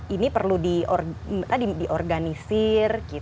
ini perlu diorganisir